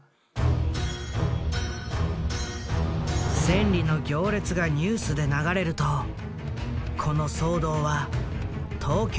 千里の行列がニュースで流れるとこの騒動は東京など全国に拡大した。